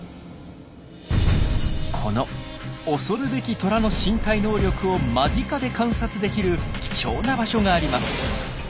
この恐るべきトラの身体能力を間近で観察できる貴重な場所があります。